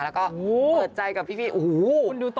แล้วก็เปิดใจกับพี่พีท